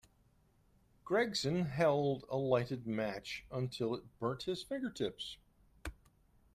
Gregson held a lighted match until it burnt his fingertips.